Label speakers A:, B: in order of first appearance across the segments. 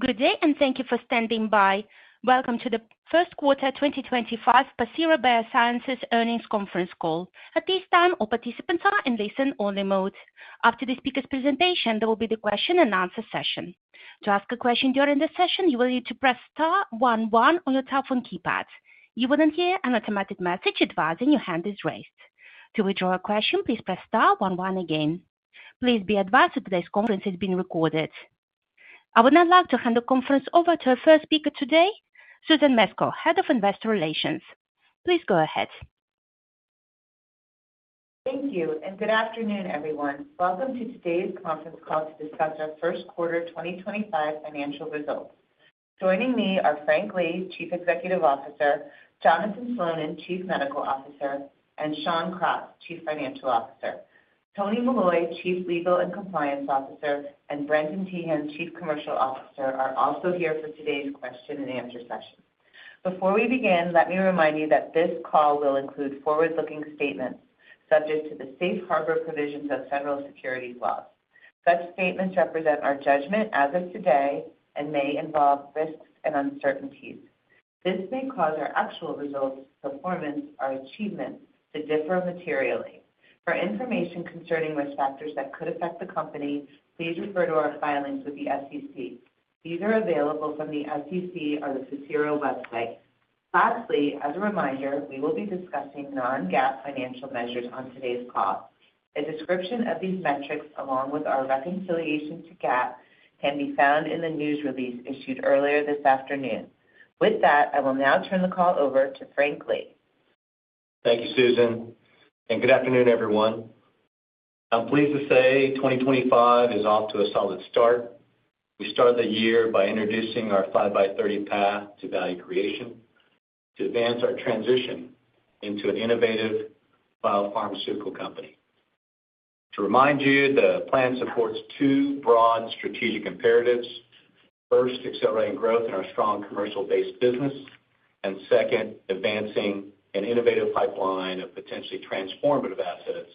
A: Good day, and thank you for standing by. Welcome to the first quarter 2025 Pacira BioSciences earnings conference call. At this time, all participants are in listen-only mode. After the speaker's presentation, there will be the question-and-answer session. To ask a question during the session, you will need to press *11* on your telephone keypad. You will then hear an automatic message advising your hand is raised. To withdraw a question, please press *11* again. Please be advised that today's conference is being recorded. I would now like to hand the conference over to our first speaker today, Susan Mesco, Head of Investor Relations. Please go ahead.
B: Thank you, and good afternoon, everyone. Welcome to today's conference call to discuss our first quarter 2025 financial results. Joining me are Frank Lee, Chief Executive Officer; Jonathan Slonin, Chief Medical Officer; and Shawn Cross, Chief Financial Officer. Tony Molloy, Chief Legal and Compliance Officer; and Brendan Teehan, Chief Commercial Officer, are also here for today's question-and-answer session. Before we begin, let me remind you that this call will include forward-looking statements subject to the safe harbor provisions of federal securities laws. Such statements represent our judgment as of today and may involve risks and uncertainties. This may cause our actual results, performance, or achievement to differ materially. For information concerning risk factors that could affect the company, please refer to our filings with the SEC. These are available from the SEC or the Pacira website. Lastly, as a reminder, we will be discussing non-GAAP financial measures on today's call. A description of these metrics, along with our reconciliation to GAAP, can be found in the news release issued earlier this afternoon. With that, I will now turn the call over to Frank Lee.
C: Thank you, Susan, and good afternoon, everyone. I'm pleased to say 2025 is off to a solid start. We started the year by introducing our 5x30 Path to value creation to advance our transition into an innovative biopharmaceutical company. To remind you, the plan supports two broad strategic imperatives: first, accelerating growth in our strong commercial-based business; and second, advancing an innovative pipeline of potentially transformative assets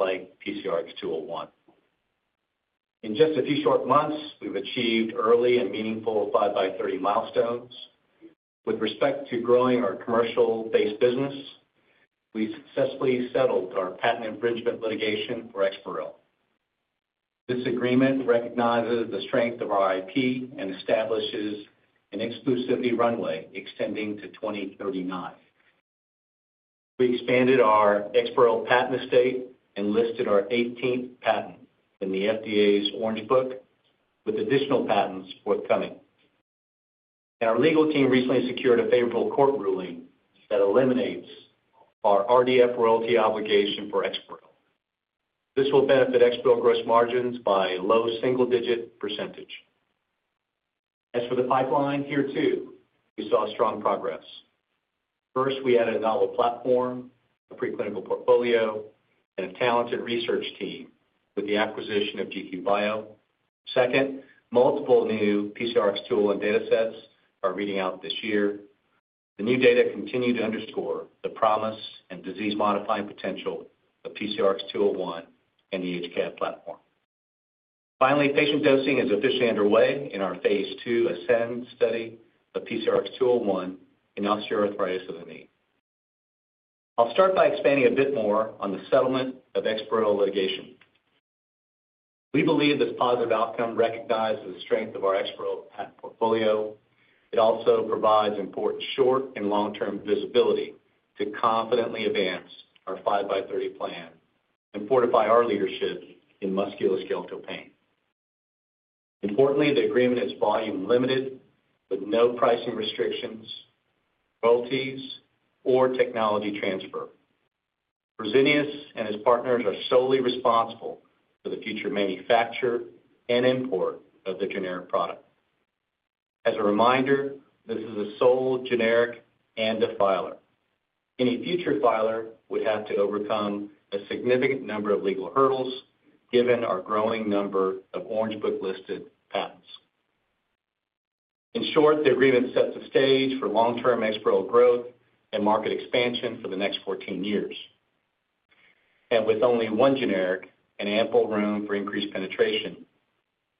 C: like PCRX-201. In just a few short months, we've achieved early and meaningful 5x30 milestones. With respect to growing our commercial-based business, we successfully settled our patent infringement litigation for Exparel. This agreement recognizes the strength of our IP and establishes an exclusivity runway extending to 2039. We expanded our Exparel patent estate and listed our 18th patent in the FDA's Orange Book, with additional patents forthcoming. Our legal team recently secured a favorable court ruling that eliminates our RDF royalty obligation for Exparel. This will benefit Exparel gross margins by a low single-digit %. As for the pipeline, here too, we saw strong progress. First, we added a novel platform, a preclinical portfolio, and a talented research team with the acquisition of GQ Bio. Second, multiple new PCRX-201 datasets are reading out this year. The new data continue to underscore the promise and disease-modifying potential of PCRX-201 and the HCAP platform. Finally, patient dosing is officially underway in our phase II ASCEND study of PCRX-201 in osteoarthritis of the knee. I'll start by expanding a bit more on the settlement of Exparel litigation. We believe this positive outcome recognizes the strength of our Exparel patent portfolio. It also provides important short- and long-term visibility to confidently advance our 5x30 plan and fortify our leadership in musculoskeletal pain. Importantly, the agreement is volume-limited with no pricing restrictions, royalties, or technology transfer. Rosenius and his partners are solely responsible for the future manufacture and import of the generic product. As a reminder, this is a sole generic and a filer. Any future filer would have to overcome a significant number of legal hurdles given our growing number of Orange Book-listed patents. In short, the agreement sets the stage for long-term Exparel growth and market expansion for the next 14 years. With only one generic and ample room for increased penetration,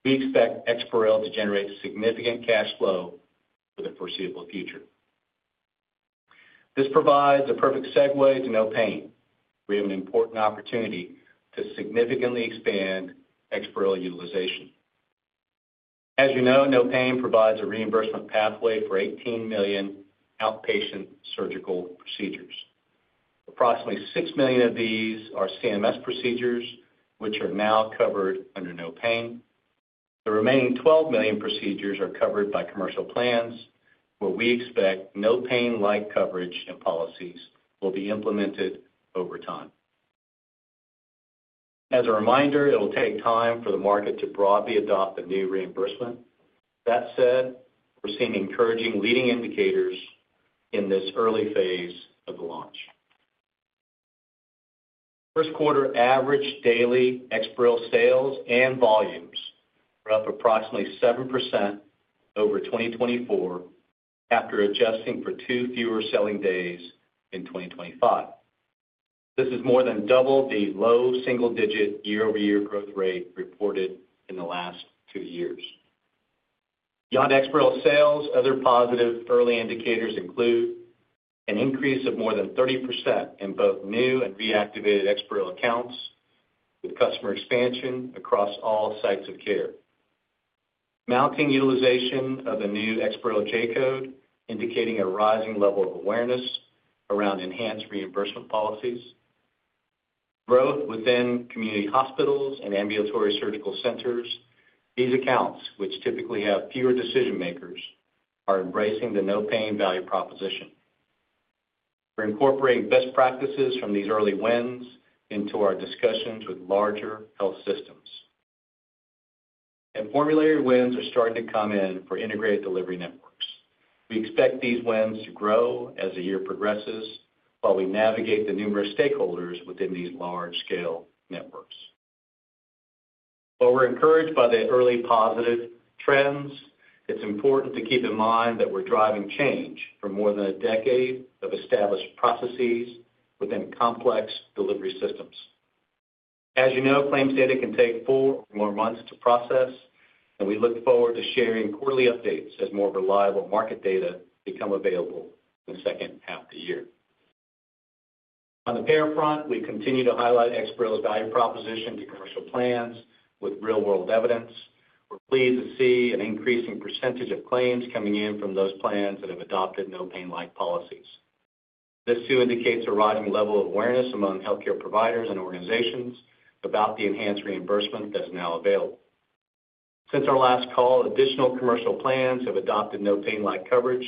C: we expect Exparel to generate significant cash flow for the foreseeable future. This provides a perfect segue to No Pain. We have an important opportunity to significantly expand Exparel utilization. As you know, No Pain provides a reimbursement pathway for 18 million outpatient surgical procedures. Approximately 6 million of these are CMS procedures, which are now covered under No Pain. The remaining 12 million procedures are covered by commercial plans, where we expect No Pain-like coverage and policies will be implemented over time. As a reminder, it'll take time for the market to broadly adopt a new reimbursement. That said, we're seeing encouraging leading indicators in this early phase of the launch. First quarter average daily Exparel sales and volumes were up approximately 7% over 2024 after adjusting for two fewer selling days in 2025. This is more than double the low single-digit year-over-year growth rate reported in the last two years. Beyond Exparel sales, other positive early indicators include an increase of more than 30% in both new and reactivated Exparel accounts with customer expansion across all sites of care, mounting utilization of a new Exparel J code indicating a rising level of awareness around enhanced reimbursement policies, growth within community hospitals and ambulatory surgical centers. These accounts, which typically have fewer decision-makers, are embracing the No Pain value proposition. We're incorporating best practices from these early wins into our discussions with larger health systems. Formulary wins are starting to come in for integrated delivery networks. We expect these wins to grow as the year progresses while we navigate the numerous stakeholders within these large-scale networks. While we're encouraged by the early positive trends, it's important to keep in mind that we're driving change for more than a decade of established processes within complex delivery systems. As you know, claims data can take four or more months to process, and we look forward to sharing quarterly updates as more reliable market data becomes available in the second half of the year. On the payer front, we continue to highlight Exparel's value proposition to commercial plans with real-world evidence. We're pleased to see an increasing percentage of claims coming in from those plans that have adopted No Pain-like policies. This too indicates a rising level of awareness among healthcare providers and organizations about the enhanced reimbursement that's now available. Since our last call, additional commercial plans have adopted No Pain-like coverage,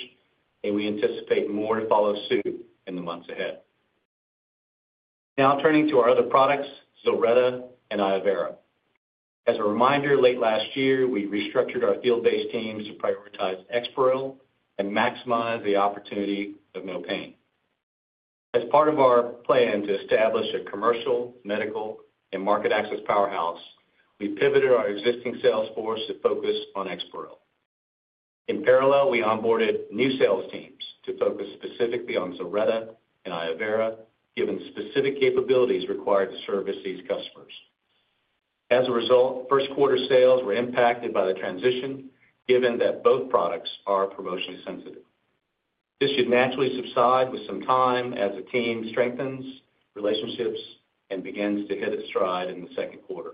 C: and we anticipate more to follow suit in the months ahead. Now turning to our other products, Zilretta and Iovera. As a reminder, late last year, we restructured our field-based teams to prioritize Exparel and maximize the opportunity of No Pain. As part of our plan to establish a commercial, medical, and market access powerhouse, we pivoted our existing sales force to focus on Exparel. In parallel, we onboarded new sales teams to focus specifically on Zilretta and Iovera, given the specific capabilities required to service these customers. As a result, first-quarter sales were impacted by the transition, given that both products are promotionally sensitive. This should naturally subside with some time as the team strengthens relationships and begins to hit its stride in the second quarter.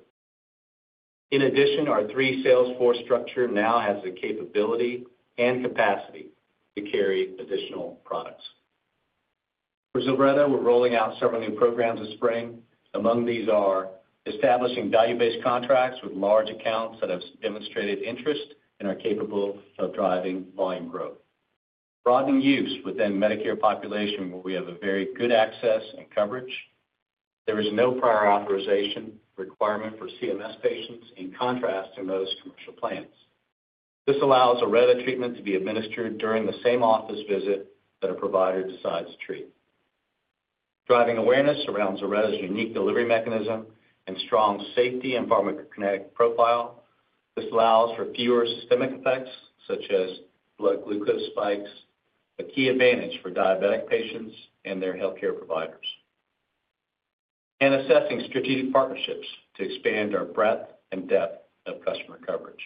C: In addition, our three-sales force structure now has the capability and capacity to carry additional products. For Zilretta, we're rolling out several new programs this spring. Among these are establishing value-based contracts with large accounts that have demonstrated interest and are capable of driving volume growth, broadening use within the Medicare population where we have very good access and coverage. There is no prior authorization requirement for CMS patients in contrast to most commercial plans. This allows Zilretta treatment to be administered during the same office visit that a provider decides to treat. Driving awareness around Zilretta's unique delivery mechanism and strong safety and pharmacokinetic profile, this allows for fewer systemic effects such as blood glucose spikes, a key advantage for diabetic patients and their healthcare providers, and assessing strategic partnerships to expand our breadth and depth of customer coverage.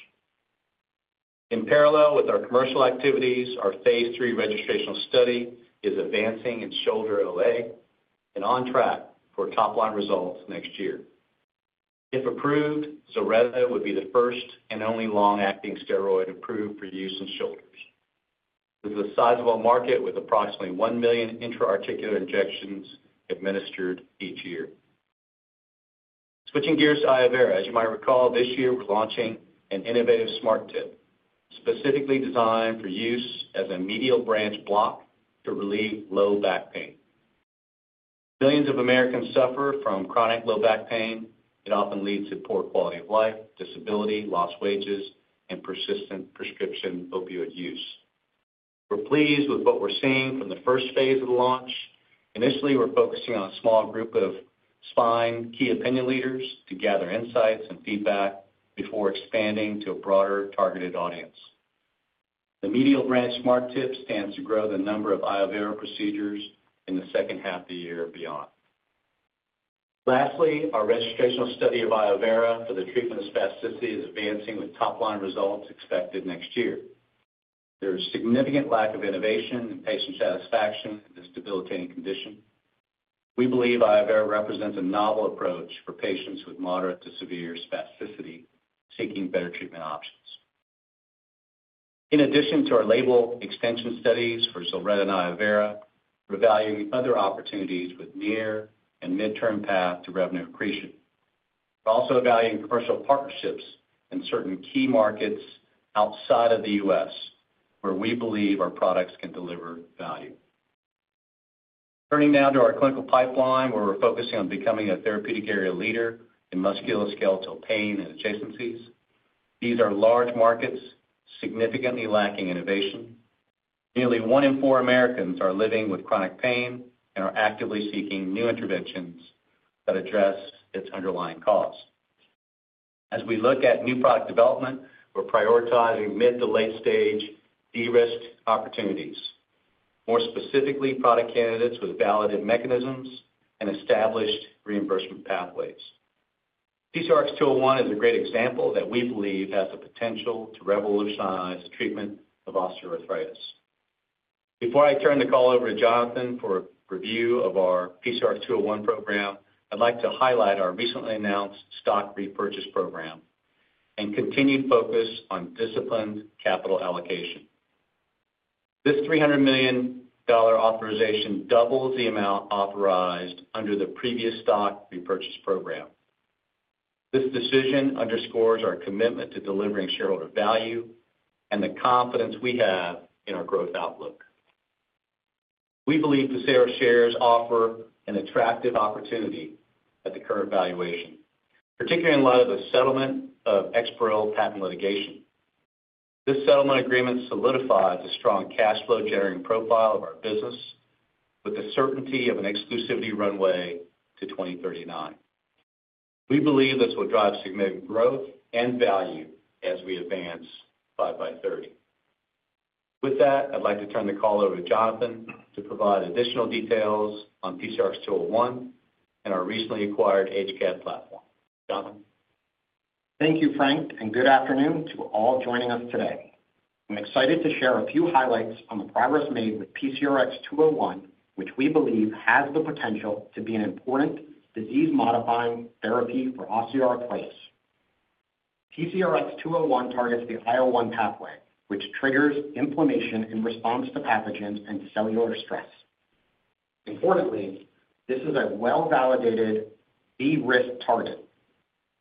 C: In parallel with our commercial activities, our phase three registration study is advancing in shoulder OA and on track for top-line results next year. If approved, Zilretta would be the first and only long-acting steroid approved for use in shoulders. This is a sizable market with approximately 1 million intra-articular injections administered each year. Switching gears to Iovera, as you might recall, this year we're launching an innovative SmartTip specifically designed for use as a medial branch block to relieve low back pain. Millions of Americans suffer from chronic low back pain. It often leads to poor quality of life, disability, lost wages, and persistent prescription opioid use. We're pleased with what we're seeing from the first phase of the launch. Initially, we're focusing on a small group of spine key opinion leaders to gather insights and feedback before expanding to a broader targeted audience. The medial branch SmartTip stands to grow the number of Iovera procedures in the second half of the year and beyond. Lastly, our registration study of Iovera for the treatment of spasticity is advancing with top-line results expected next year. There is a significant lack of innovation in patient satisfaction in this debilitating condition. We believe Iovera represents a novel approach for patients with moderate to severe spasticity seeking better treatment options. In addition to our label extension studies for Zilretta and Iovera, we're evaluating other opportunities with near and mid-term path to revenue accretion. We're also evaluating commercial partnerships in certain key markets outside of the U.S. where we believe our products can deliver value. Turning now to our clinical pipeline, where we're focusing on becoming a therapeutic area leader in musculoskeletal pain and adjacencies. These are large markets significantly lacking innovation. Nearly one in four Americans are living with chronic pain and are actively seeking new interventions that address its underlying cause. As we look at new product development, we're prioritizing mid to late-stage de-risk opportunities, more specifically product candidates with validated mechanisms and established reimbursement pathways. PCRX-201 is a great example that we believe has the potential to revolutionize the treatment of osteoarthritis. Before I turn the call over to Jonathan for a review of our PCRX-201 program, I'd like to highlight our recently announced stock repurchase program and continued focus on disciplined capital allocation. This $300 million authorization doubles the amount authorized under the previous stock repurchase program. This decision underscores our commitment to delivering shareholder value and the confidence we have in our growth outlook. We believe Pacira shares offer an attractive opportunity at the current valuation, particularly in light of the settlement of Exparel patent litigation. This settlement agreement solidifies a strong cash flow-generating profile of our business with the certainty of an exclusivity runway to 2039. We believe this will drive significant growth and value as we advance 5x30. With that, I'd like to turn the call over to Jonathan to provide additional details on PCRX-201 and our recently acquired HCAP platform. Jonathan?
D: Thank you, Frank, and good afternoon to all joining us today. I'm excited to share a few highlights on the progress made with PCRX-201, which we believe has the potential to be an important disease-modifying therapy for osteoarthritis. PCRX-201 targets the IL-1 pathway, which triggers inflammation in response to pathogens and cellular stress. Importantly, this is a well-validated de-risk target.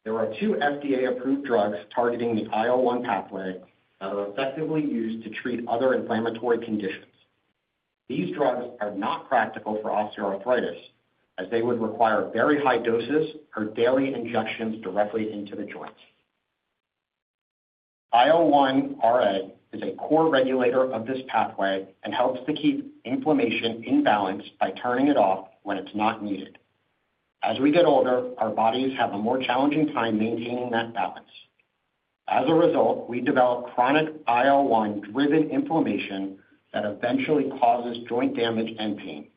D: There are two FDA-approved drugs targeting the IL-1 pathway that are effectively used to treat other inflammatory conditions. These drugs are not practical for osteoarthritis as they would require very high doses for daily injections directly into the joints. IL-1 RA is a core regulator of this pathway and helps to keep inflammation in balance by turning it off when it's not needed. As we get older, our bodies have a more challenging time maintaining that balance. As a result, we develop chronic IL-1-driven inflammation that eventually causes joint damage and pain.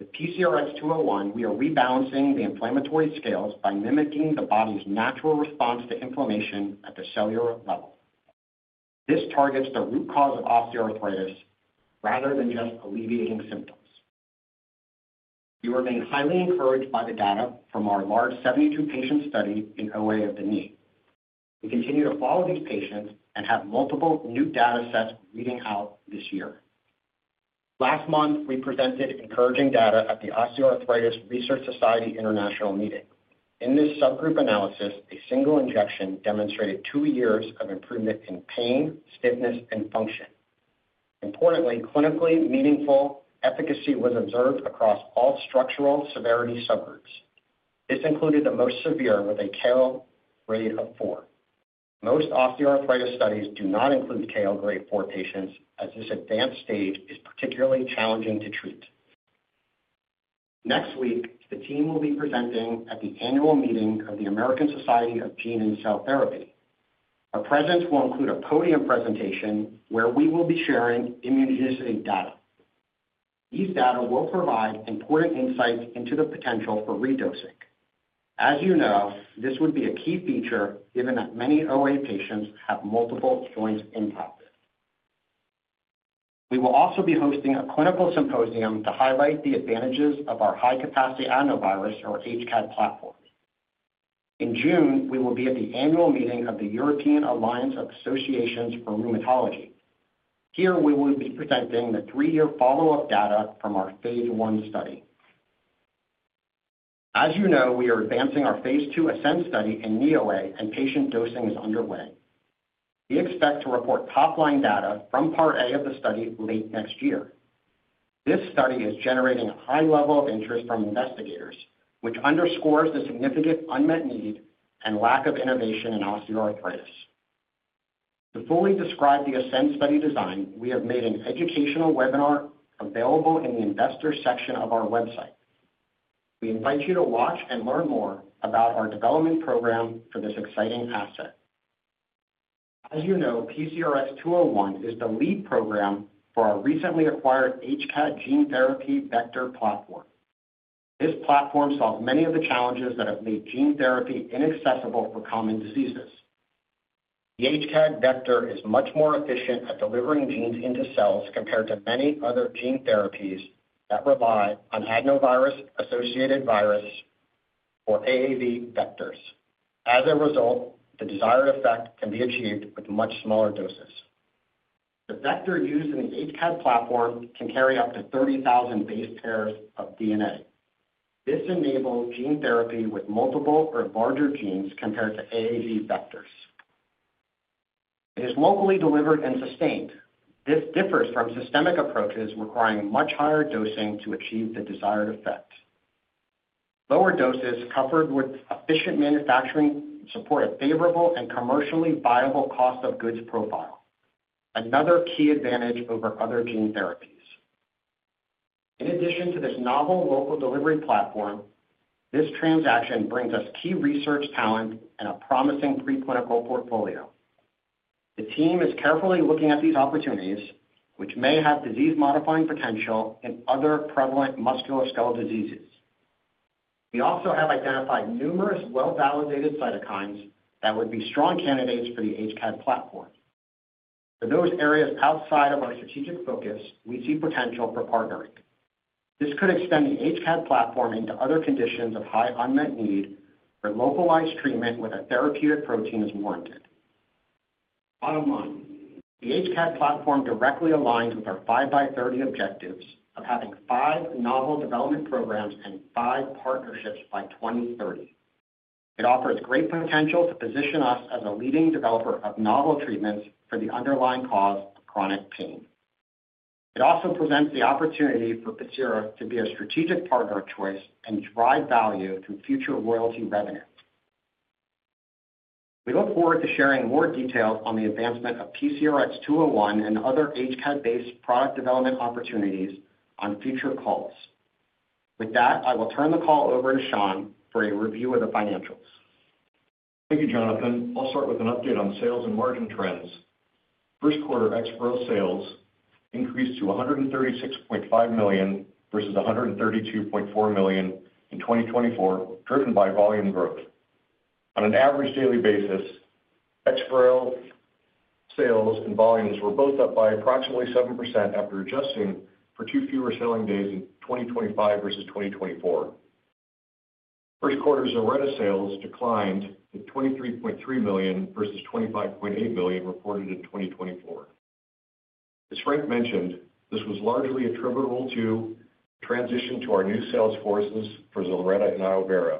D: With PCRX-201, we are rebalancing the inflammatory scales by mimicking the body's natural response to inflammation at the cellular level. This targets the root cause of osteoarthritis rather than just alleviating symptoms. We remain highly encouraged by the data from our large 72-patient study in OA of the knee. We continue to follow these patients and have multiple new data sets reading out this year. Last month, we presented encouraging data at the Osteoarthritis Research Society International meeting. In this subgroup analysis, a single injection demonstrated two years of improvement in pain, stiffness, and function. Importantly, clinically meaningful efficacy was observed across all structural severity subgroups. This included the most severe with a KL rate of 4. Most osteoarthritis studies do not include KL grade 4 patients as this advanced stage is particularly challenging to treat. Next week, the team will be presenting at the annual meeting of the American Society of Gene and Cell Therapy. Our presence will include a podium presentation where we will be sharing immunogenicity data. These data will provide important insights into the potential for redosing. As you know, this would be a key feature given that many OA patients have multiple joints impacted. We will also be hosting a clinical symposium to highlight the advantages of our high-capacity adenovirus, or HCAP, platform. In June, we will be at the annual meeting of the European Alliance of Associations for Rheumatology. Here, we will be presenting the three-year follow-up data from our phase one study. As you know, we are advancing our phase II ASCEND study in knee OA and patient dosing is underway. We expect to report top-line data from part A of the study late next year. This study is generating a high level of interest from investigators, which underscores the significant unmet need and lack of innovation in osteoarthritis. To fully describe the ASCEND study design, we have made an educational webinar available in the investor section of our website. We invite you to watch and learn more about our development program for this exciting asset. As you know, PCRX-201 is the lead program for our recently acquired HCAP gene therapy vector platform. This platform solves many of the challenges that have made gene therapy inaccessible for common diseases. The HCAP vector is much more efficient at delivering genes into cells compared to many other gene therapies that rely on adeno-associated virus or AAV vectors. As a result, the desired effect can be achieved with much smaller doses. The vector used in the HCAP platform can carry up to 30,000 base pairs of DNA. This enables gene therapy with multiple or larger genes compared to AAV vectors. It is locally delivered and sustained. This differs from systemic approaches requiring much higher dosing to achieve the desired effect. Lower doses covered with efficient manufacturing support a favorable and commercially viable cost of goods profile, another key advantage over other gene therapies. In addition to this novel local delivery platform, this transaction brings us key research talent and a promising preclinical portfolio. The team is carefully looking at these opportunities, which may have disease-modifying potential in other prevalent musculoskeletal diseases. We also have identified numerous well-validated cytokines that would be strong candidates for the HCAP platform. For those areas outside of our strategic focus, we see potential for partnering. This could extend the HCAP platform into other conditions of high unmet need where localized treatment with a therapeutic protein is warranted. Bottom line, the HCAP platform directly aligns with our 5x30 objectives of having five novel development programs and five partnerships by 2030. It offers great potential to position us as a leading developer of novel treatments for the underlying cause of chronic pain. It also presents the opportunity for Pacira to be a strategic partner of choice and drive value through future royalty revenue. We look forward to sharing more details on the advancement of PCRX-201 and other HCAP-based product development opportunities on future calls. With that, I will turn the call over to Shawn for a review of the financials.
E: Thank you, Jonathan. I'll start with an update on sales and margin trends. First quarter Exparel sales increased to $136.5 million versus $132.4 million in 2024, driven by volume growth. On an average daily basis, Exparel sales and volumes were both up by approximately 7% after adjusting for two fewer selling days in 2025 versus 2024. First quarter Zilretta sales declined to $23.3 million versus $25.8 million reported in 2024. As Frank mentioned, this was largely attributable to the transition to our new sales forces for Zilretta and Iovera.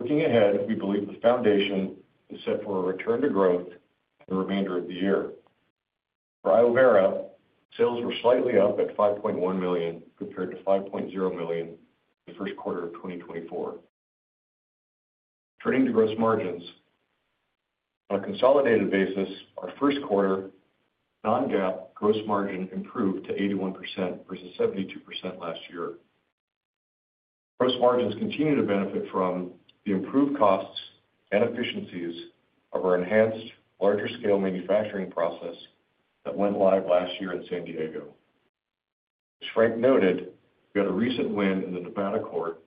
E: Looking ahead, we believe the foundation is set for a return to growth in the remainder of the year. For Iovera, sales were slightly up at $5.1 million compared to $5.0 million in the first quarter of 2024. Turning to gross margins, on a consolidated basis, our first quarter non-GAAP gross margin improved to 81% versus 72% last year. Gross margins continue to benefit from the improved costs and efficiencies of our enhanced larger-scale manufacturing process that went live last year in San Diego. As Frank noted, we had a recent win in the Nevada court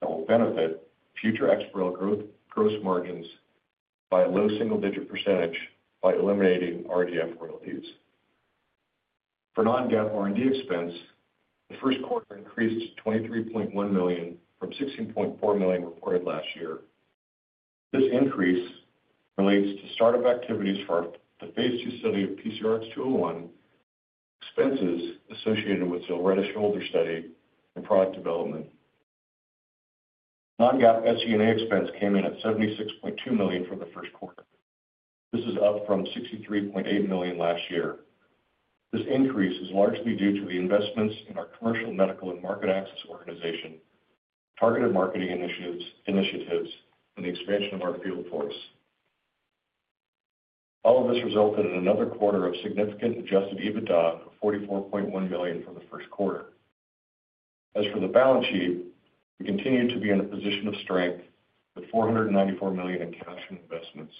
E: that will benefit future Exparel growth gross margins by a low single-digit % by eliminating RDF royalties. For non-GAAP R&D expense, the first quarter increased to $23.1 million from $16.4 million reported last year. This increase relates to startup activities for the phase II study of PCRX-201, expenses associated with the Zilretta shoulder study, and product development. Non-GAAP SG&A expense came in at $76.2 million for the first quarter. This is up from $63.8 million last year. This increase is largely due to the investments in our commercial, medical, and market access organization, targeted marketing initiatives, and the expansion of our field force. All of this resulted in another quarter of significant adjusted EBITDA of $44.1 million from the first quarter. As for the balance sheet, we continue to be in a position of strength with $494 million in cash and investments.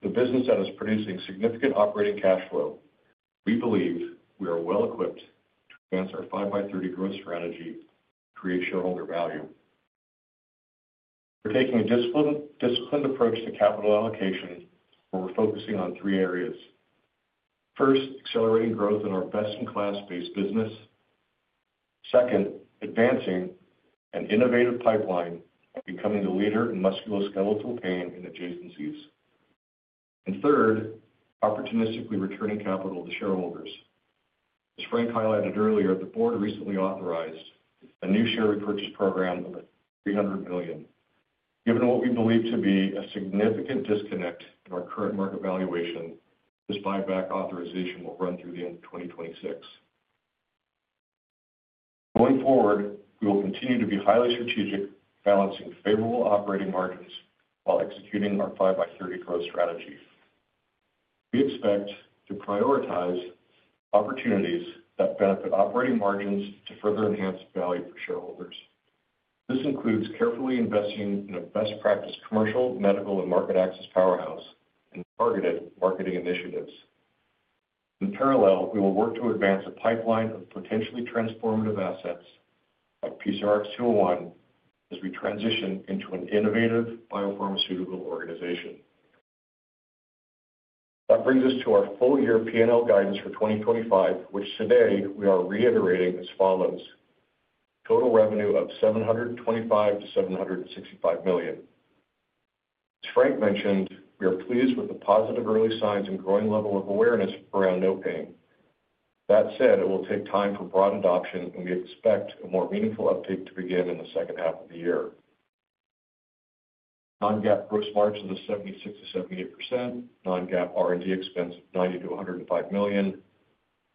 E: With the business that is producing significant operating cash flow, we believe we are well-equipped to advance our 5x30 growth strategy and create shareholder value. We are taking a disciplined approach to capital allocation where we are focusing on three areas. First, accelerating growth in our best-in-class space business. Second, advancing an innovative pipeline and becoming the leader in musculoskeletal pain and adjacencies. Third, opportunistically returning capital to shareholders. As Frank highlighted earlier, the board recently authorized a new share repurchase program of $300 million. Given what we believe to be a significant disconnect in our current market valuation, this buyback authorization will run through the end of 2026. Going forward, we will continue to be highly strategic, balancing favorable operating margins while executing our 5x30 growth strategy. We expect to prioritize opportunities that benefit operating margins to further enhance value for shareholders. This includes carefully investing in a best-practice commercial, medical, and market access powerhouse and targeted marketing initiatives. In parallel, we will work to advance a pipeline of potentially transformative assets like PCRX-201 as we transition into an innovative biopharmaceutical organization. That brings us to our full-year P&L guidance for 2025, which today we are reiterating as follows: total revenue of $725 million-$765 million. As Frank mentioned, we are pleased with the positive early signs and growing level of awareness around No Pain. That said, it will take time for broad adoption, and we expect a more meaningful uptake to begin in the second half of the year. Non-GAAP gross margins of 76-78%, non-GAAP R&D expense of $90-$105 million,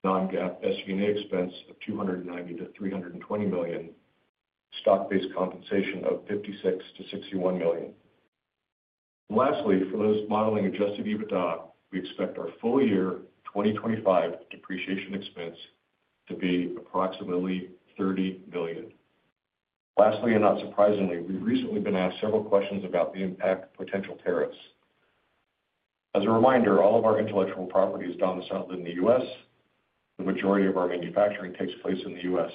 E: non-GAAP SG&A expense of $290-$320 million, stock-based compensation of $56-$61 million. Lastly, for those modeling adjusted EBITDA, we expect our full-year 2025 depreciation expense to be approximately $30 million. Lastly, and not surprisingly, we've recently been asked several questions about the impact of potential tariffs. As a reminder, all of our intellectual property is domiciled in the U.S. The majority of our manufacturing takes place in the U.S.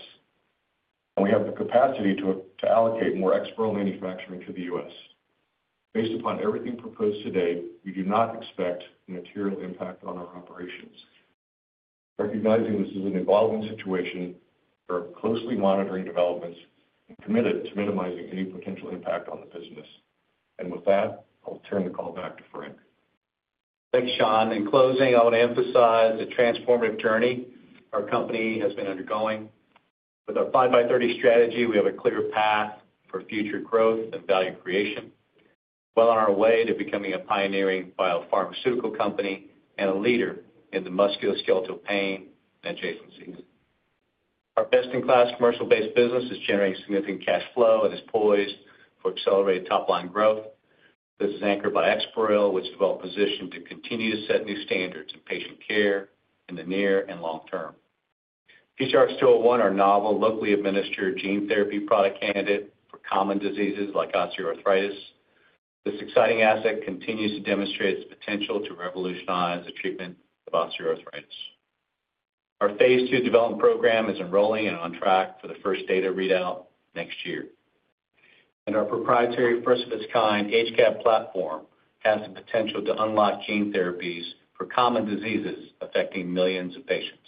E: and we have the capacity to allocate more export manufacturing to the U.S. Based upon everything proposed today, we do not expect material impact on our operations. Recognizing this is an evolving situation, we are closely monitoring developments and committed to minimizing any potential impact on the business. With that, I'll turn the call back to Frank.
C: Thanks, Shawn. In closing, I want to emphasize the transformative journey our company has been undergoing. With our 5x30 strategy, we have a clear path for future growth and value creation, well on our way to becoming a pioneering biopharmaceutical company and a leader in the musculoskeletal pain and adjacencies. Our best-in-class commercial-based business is generating significant cash flow and is poised for accelerated top-line growth. This is anchored by Exparel, which developed a position to continue to set new standards in patient care in the near and long term. PCRX-201, our novel locally administered gene therapy product candidate for common diseases like osteoarthritis. This exciting asset continues to demonstrate its potential to revolutionize the treatment of osteoarthritis. Our phase II development program is enrolling and on track for the first data readout next year. Our proprietary first-of-its-kind HCAP platform has the potential to unlock gene therapies for common diseases affecting millions of patients.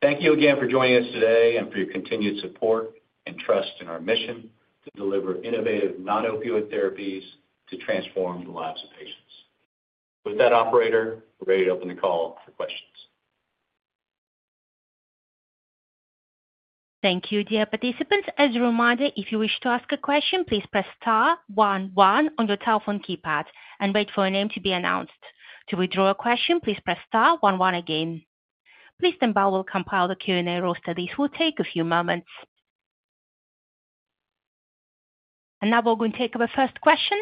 C: Thank you again for joining us today and for your continued support and trust in our mission to deliver innovative non-opioid therapies to transform the lives of patients. With that, operator, we are ready to open the call for questions.
A: Thank you, dear participants. As a reminder, if you wish to ask a question, please press *11 on your telephone keypad and wait for your name to be announced. To withdraw a question, please press *11 again. Please then, we will compile the Q&A roster. This will take a few moments. Now we are going to take up our first question.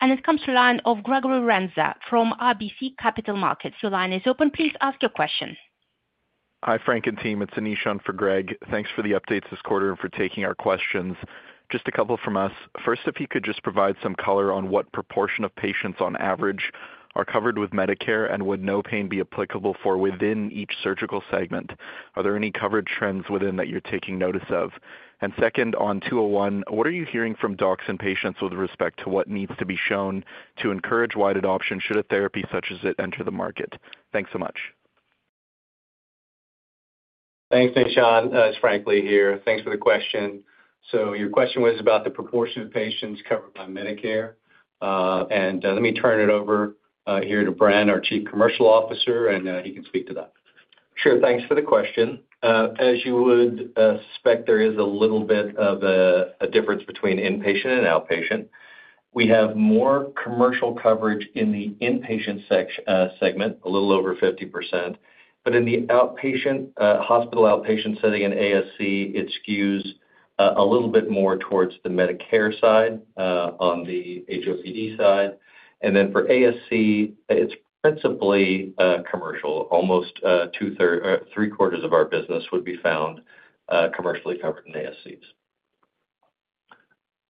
A: It comes from the line of Gregory Renza from RBC Capital Markets. Your line is open. Please ask your question.
F: Hi, Frank and team. It is Anish for Greg. Thanks for the updates this quarter and for taking our questions. Just a couple from us. First, if you could just provide some color on what proportion of patients on average are covered with Medicare and would No Pain be applicable for within each surgical segment. Are there any coverage trends within that you're taking notice of? Second, on 201, what are you hearing from docs and patients with respect to what needs to be shown to encourage wide adoption should a therapy such as it enter the market? Thanks so much.
C: Thanks, Anish and it's Frank Lee here. Thanks for the question. Your question was about the proportion of patients covered by Medicare. Let me turn it over here to Brendan, our Chief Commercial Officer, and he can speak to that.
G: Sure. Thanks for the question. As you would suspect, there is a little bit of a difference between inpatient and outpatient. We have more commercial coverage in the inpatient segment, a little over 50%. In the outpatient hospital outpatient setting in ASC, it skews a little bit more towards the Medicare side on the HOCD side. For ASC, it's principally commercial. Almost three-quarters of our business would be found commercially covered in ASCs.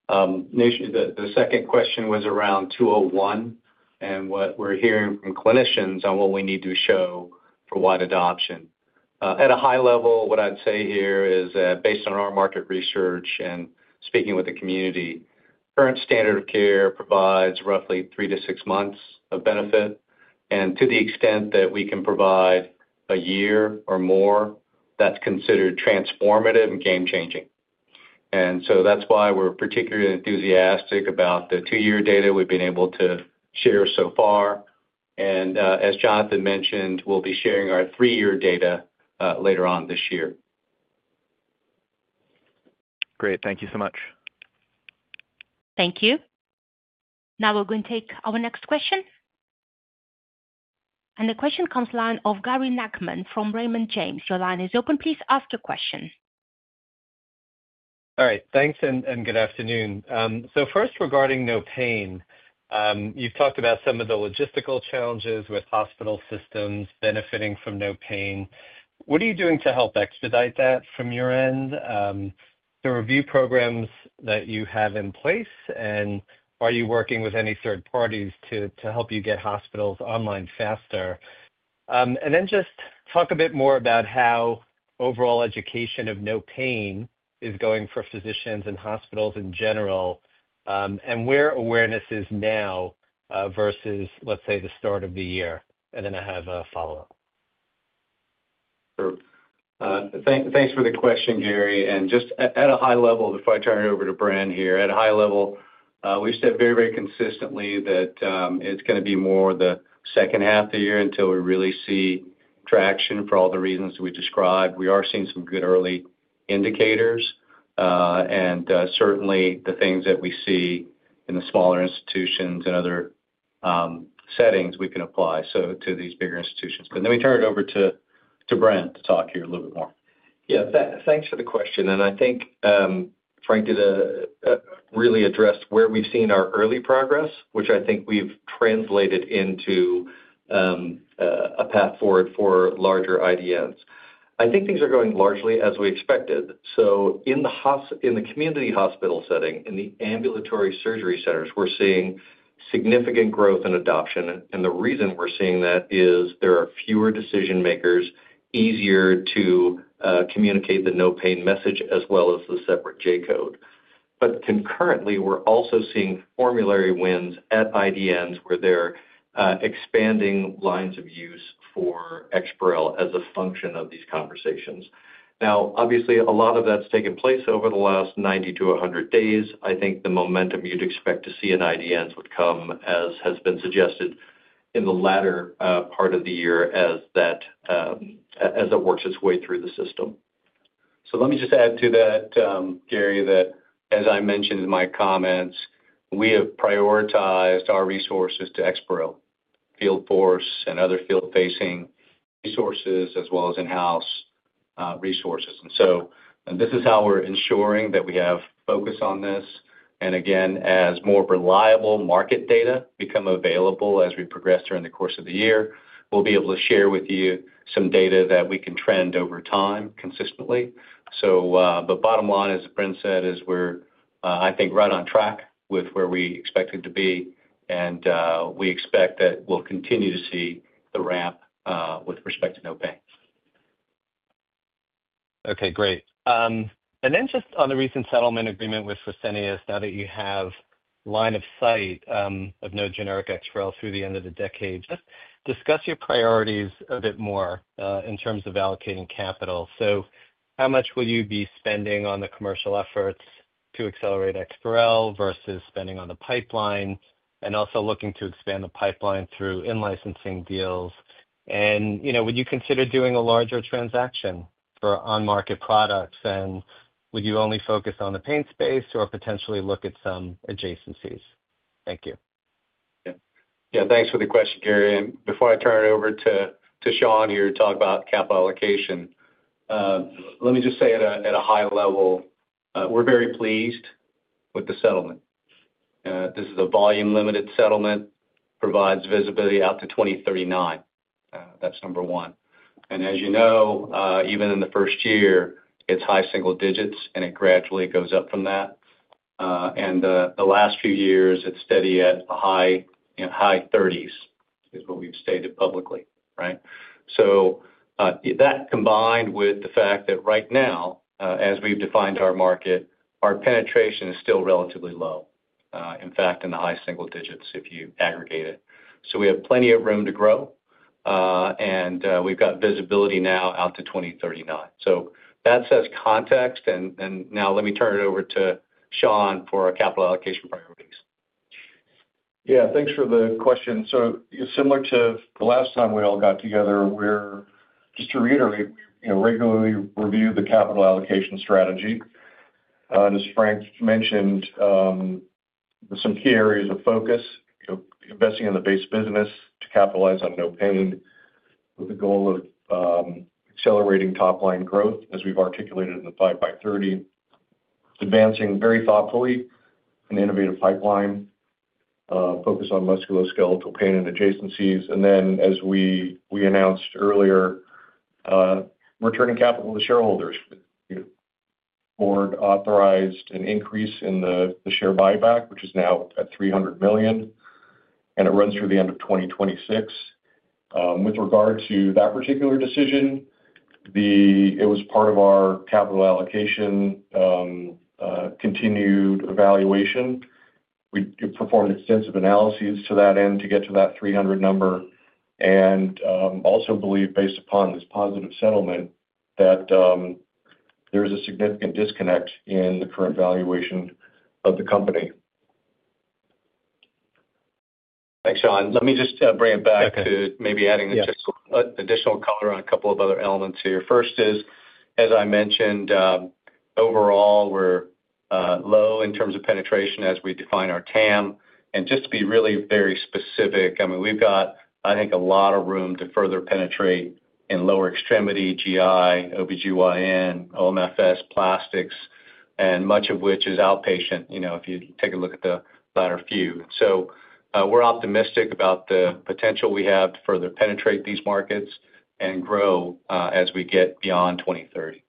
G: The second question was around 201 and what we're hearing from clinicians on what we need to show for wide adoption. At a high level, what I'd say here is that based on our market research and speaking with the community, current standard of care provides roughly three to six months of benefit. To the extent that we can provide a year or more, that's considered transformative and game-changing. That is why we are particularly enthusiastic about the two-year data we have been able to share so far. As Jonathan mentioned, we will be sharing our three-year data later on this year.
F: Great. Thank you so much.
A: Thank you. Now we are going to take our next question. The question comes live from Gary Nachman from Raymond James. Your line is open. Please ask your question.
H: All right. Thanks and good afternoon. First, regarding No Pain, you have talked about some of the logistical challenges with hospital systems benefiting from No Pain. What are you doing to help expedite that from your end? The review programs that you have in place, and are you working with any third parties to help you get hospitals online faster? Just talk a bit more about how overall education of No Pain is going for physicians and hospitals in general and where awareness is now versus, let's say, the start of the year. I have a follow-up.
C: Thanks for the question, Gary. At a high level, before I turn it over to Brendan here, at a high level, we've said very, very consistently that it's going to be more the second half of the year until we really see traction for all the reasons we described. We are seeing some good early indicators. Certainly, the things that we see in the smaller institutions and other settings, we can apply to these bigger institutions. Let me turn it over to Brendan to talk here a little bit more.
G: Yeah. Thanks for the question. I think Frank did a really addressed where we've seen our early progress, which I think we've translated into a path forward for larger IDNs. I think things are going largely as we expected. In the community hospital setting, in the ambulatory surgery centers, we're seeing significant growth in adoption. The reason we're seeing that is there are fewer decision-makers, easier to communicate the No Pain message as well as the separate J code. Concurrently, we're also seeing formulary wins at IDNs where they're expanding lines of use for Exparel as a function of these conversations. Obviously, a lot of that's taken place over the last 90-100 days. I think the momentum you'd expect to see in IDNs would come, as has been suggested, in the latter part of the year as it works its way through the system.
C: Let me just add to that, Gary, that as I mentioned in my comments, we have prioritized our resources to Exparel, field force, and other field-facing resources, as well as in-house resources. This is how we're ensuring that we have focus on this. Again, as more reliable market data becomes available as we progress during the course of the year, we'll be able to share with you some data that we can trend over time consistently. The bottom line, as Brendan said, is we're, I think, right on track with where we expected to be. We expect that we'll continue to see the ramp with respect to No Pain.
H: Okay. Great. Just on the recent settlement agreement with Fresenius, now that you have line of sight of no generic Exparel through the end of the decade, just discuss your priorities a bit more in terms of allocating capital. How much will you be spending on the commercial efforts to accelerate Exparel versus spending on the pipeline and also looking to expand the pipeline through in-licensing deals? Would you consider doing a larger transaction for on-market products? Would you only focus on the pain space or potentially look at some adjacencies? Thank you.
C: Yeah. Thanks for the question, Gary. Before I turn it over to Shawn here to talk about capital allocation, let me just say at a high level, we're very pleased with the settlement. This is a volume-limited settlement, provides visibility out to 2039. That's number one. As you know, even in the first year, it's high single digits, and it gradually goes up from that. The last few years, it's steady at high 30s, is what we've stated publicly, right? That combined with the fact that right now, as we've defined our market, our penetration is still relatively low, in fact, in the high single digits if you aggregate it. We have plenty of room to grow. We've got visibility now out to 2039. That sets context. Now let me turn it over to Shawn for our capital allocation priorities.
E: Yeah. Thanks for the question. Similar to the last time we all got together, just to reiterate, we regularly review the capital allocation strategy. As Frank mentioned, there are some key areas of focus, investing in the base business to capitalize on No Pain with the goal of accelerating top-line growth, as we've articulated in the 5x30, advancing very thoughtfully an innovative pipeline, focus on musculoskeletal pain and adjacencies. Then, as we announced earlier, returning capital to shareholders, board authorized an increase in the share buyback, which is now at $300 million. It runs through the end of 2026. With regard to that particular decision, it was part of our capital allocation continued evaluation. We performed extensive analyses to that end to get to that 300 number. We also believe, based upon this positive settlement, that there is a significant disconnect in the current valuation of the company.
C: Thanks, Shawn. Let me just bring it back to maybe adding just additional color on a couple of other elements here. First is, as I mentioned, overall, we're low in terms of penetration as we define our TAM. And just to be really very specific, I mean, we've got, I think, a lot of room to further penetrate in lower extremity GI, OBGYN, OMFS, plastics, and much of which is outpatient if you take a look at the latter few. So we're optimistic about the potential we have to further penetrate these markets and grow as we get beyond 2030.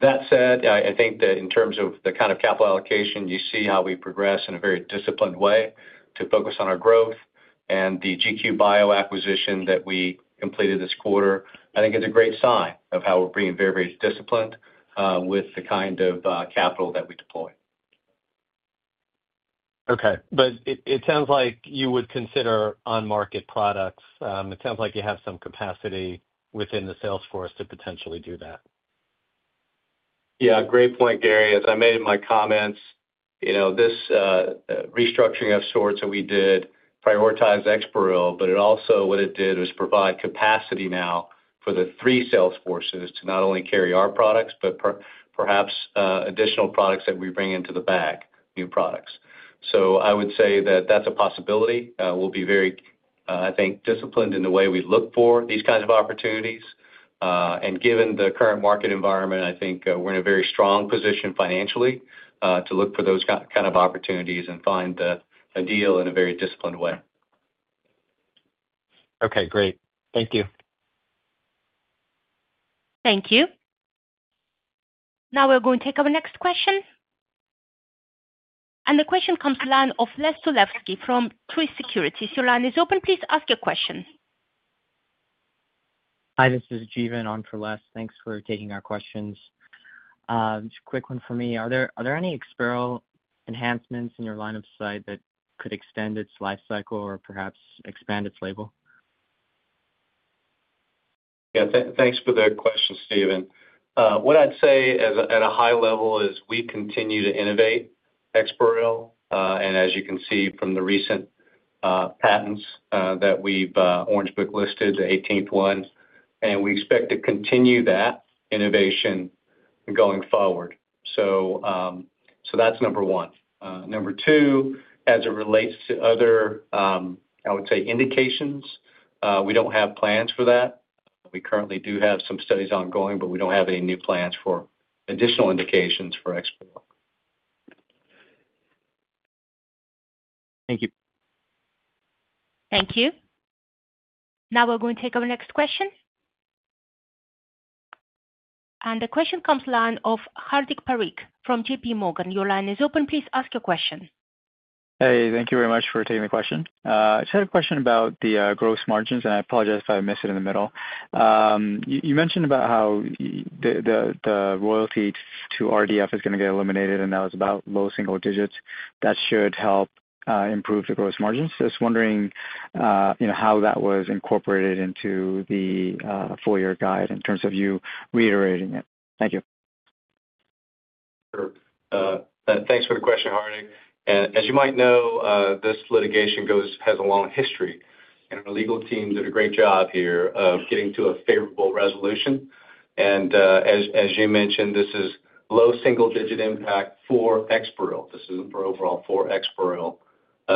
C: That said, I think that in terms of the kind of capital allocation, you see how we progress in a very disciplined way to focus on our growth. The GQ Bio acquisition that we completed this quarter, I think, is a great sign of how we're being very, very disciplined with the kind of capital that we deploy.
H: Okay. But it sounds like you would consider on-market products. It sounds like you have some capacity within the Salesforce to potentially do that.
C: Yeah. Great point, Gary. As I made in my comments, this restructuring of sorts that we did prioritized Exparel, but it also what it did was provide capacity now for the three Salesforces to not only carry our products, but perhaps additional products that we bring into the back, new products. I would say that that's a possibility. We'll be very, I think, disciplined in the way we look for these kinds of opportunities. Given the current market environment, I think we're in a very strong position financially to look for those kinds of opportunities and find a deal in a very disciplined way.
H: Okay. Great. Thank you.
A: Thank you. Now we're going to take our next question. The question comes to the line of Les Sulewski from Truist Securities. Your line is open. Please ask your question.
I: Hi. This is Jeevan on for Les. Thanks for taking our questions. Just a quick one for me. Are there any Exparel enhancements in your line of sight that could extend its life cycle or perhaps expand its label?
C: Yeah. Thanks for the question, Steven. What I'd say at a high level is we continue to innovate Exparel. As you can see from the recent patents that we've Orange Book listed, the 18th one, and we expect to continue that innovation going forward. That's number one. Number two, as it relates to other, I would say, indications, we don't have plans for that. We currently do have some studies ongoing, but we don't have any new plans for additional indications for Exparel.
I: Thank you.
A: Thank you. Now we're going to take our next question. The question comes to the line of Hardik Parikh from JPMorgan. Your line is open. Please ask your question.
J: Hey. Thank you very much for taking the question. I just had a question about the gross margins, and I apologize if I missed it in the middle. You mentioned about how the royalty to RDF is going to get eliminated, and that was about low single digits. That should help improve the gross margins. Just wondering how that was incorporated into the four-year guide in terms of you reiterating it? Thank you.
C: Thanks for the question, Hardik. As you might know, this litigation has a long history. Our legal team did a great job here of getting to a favorable resolution. As you mentioned, this is low single-digit impact for Exparel. This is overall for Exparel. We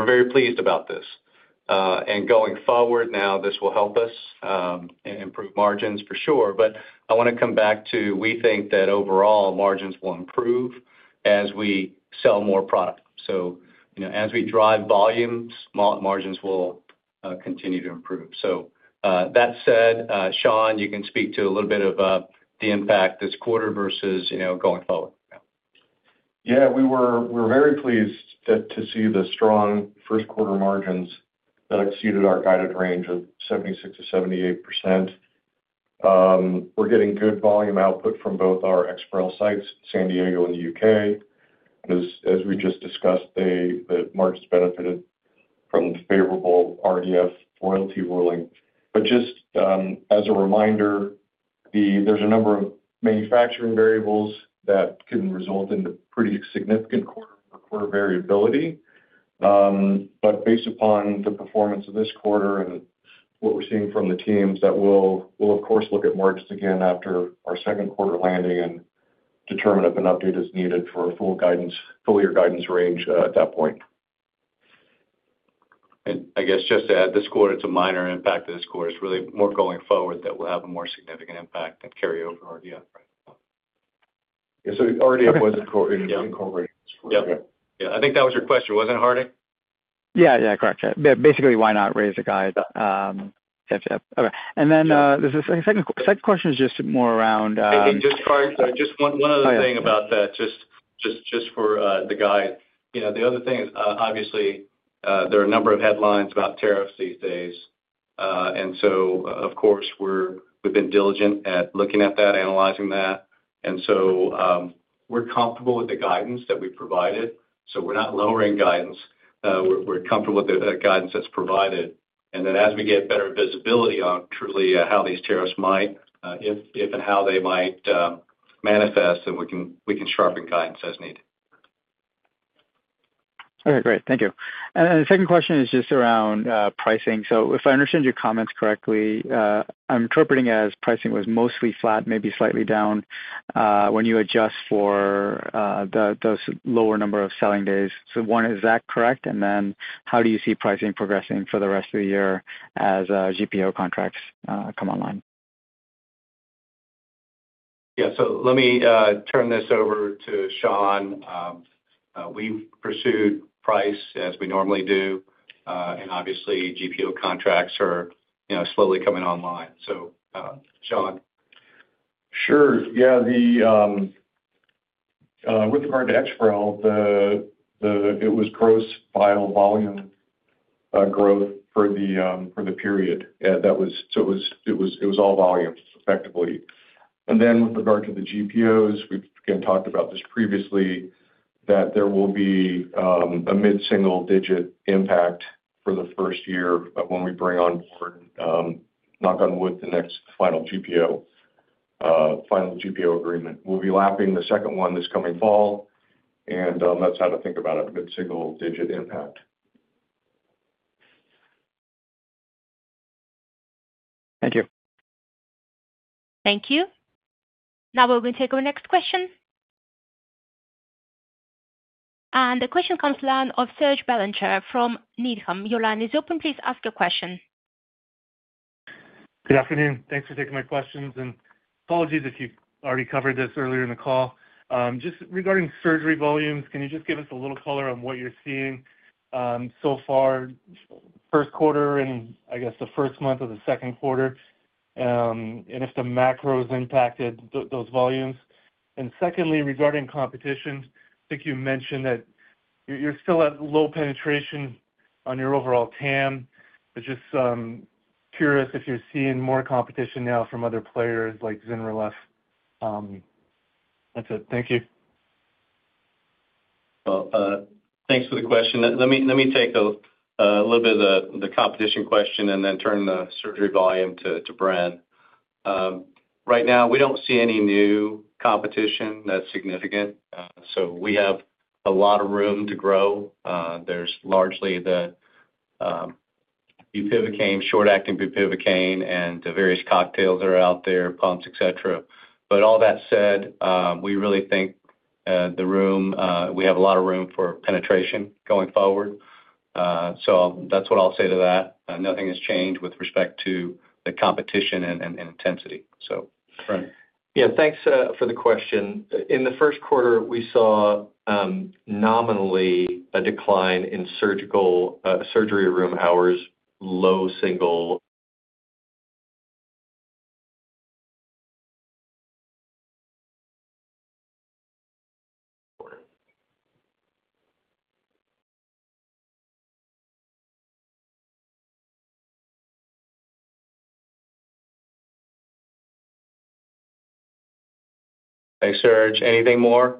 C: are very pleased about this. Going forward now, this will help us improve margins for sure. I want to come back to we think that overall, margins will improve as we sell more product. As we drive volumes, margins will continue to improve. That said, Shawn, you can speak to a little bit of the impact this quarter versus going forward.
E: Yeah. We were very pleased to see the strong first-quarter margins that exceeded our guided range of 76-78%. We're getting good volume output from both our Exparel sites, San Diego and the U.K. As we just discussed, the margins benefited from favorable RDF royalty ruling. Just as a reminder, there's a number of manufacturing variables that can result in pretty significant quarter-to-quarter variability. Based upon the performance of this quarter and what we're seeing from the teams, that will, of course, look at margins again after our second quarter landing and determine if an update is needed for a full-year guidance range at that point. I guess just to add, this quarter, it's a minor impact of this quarter. It's really more going forward that will have a more significant impact and carry over RDF, right? Yeah.
J: So RDF was incorporated this quarter.
E: Yeah.
C: Yeah. I think that was your question, wasn't it, Hardik?
J: Yeah. Correct. Basically, why not raise the guide? Yep. Okay. The second question is just more around.
C: Just one other thing about that, just for the guide. The other thing is, obviously, there are a number of headlines about tariffs these days. Of course, we've been diligent at looking at that, analyzing that. We're comfortable with the guidance that we provided. We're not lowering guidance. We're comfortable with the guidance that's provided. As we get better visibility on truly how these tariffs might, if and how they might manifest, we can sharpen guidance as needed.
J: Okay. Great. Thank you. The second question is just around pricing. If I understood your comments correctly, I'm interpreting as pricing was mostly flat, maybe slightly down when you adjust for those lower number of selling days. One, is that correct? How do you see pricing progressing for the rest of the year as GPO contracts come online?
C: Yeah. Let me turn this over to Shawn. We've pursued price as we normally do. Obviously, GPO contracts are slowly coming online. Shawn.
E: Sure. Yeah. With regard to Exparel, it was gross file volume growth for the period. So it was all volume, effectively. With regard to the GPOs, we've again talked about this previously, that there will be a mid-single-digit impact for the first year when we bring on board, knock on wood, the next final GPO agreement. We'll be lapping the second one this coming fall. That's how to think about it, a mid-single-digit impact.
J: Thank you.
A: Thank you. Now we're going to take our next question. The question comes to the line of Serge Belanger from Needham. Your line is open. Please ask your question.
K: Good afternoon. Thanks for taking my questions. Apologies if you've already covered this earlier in the call. Just regarding surgery volumes, can you just give us a little color on what you're seeing so far, first quarter and, I guess, the first month of the second quarter, and if the macro's impacted those volumes? Secondly, regarding competition, I think you mentioned that you're still at low penetration on your overall TAM. I'm just curious if you're seeing more competition now from other players like Zilretta. That's it. Thank you.
C: Thank you for the question. Let me take a little bit of the competition question and then turn the surgery volume to Brendan. Right now, we don't see any new competition that's significant. We have a lot of room to grow. There's largely the bupivacaine, short-acting bupivacaine, and various cocktails that are out there, pumps, etc. All that said, we really think we have a lot of room for penetration going forward. That's what I'll say to that. Nothing has changed with respect to the competition and intensity. Brendan?
G: Yeah. Thanks for the question. In the first quarter, we saw nominally a decline in surgical surgery room hours, low single.
C: Hey, Serge. Anything more?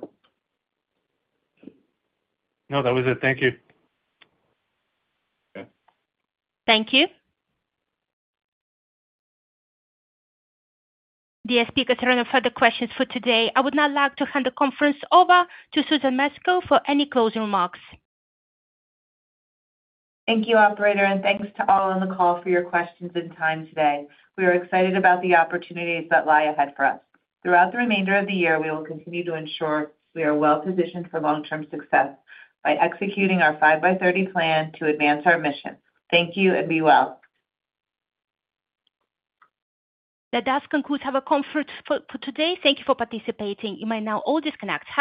K: No. That was it. Thank you.
A: Thank you. The speakers are running for the questions for today. I would now like to hand the conference over to Susan Mesco for any closing remarks.
B: Thank you, Operator. And thanks to all on the call for your questions and time today. We are excited about the opportunities that lie ahead for us. Throughout the remainder of the year, we will continue to ensure we are well-positioned for long-term success by executing our 5x30 Plan to advance our mission. Thank you and be well.
A: That does conclude our conference for today. Thank you for participating. You may now all disconnect. Have a.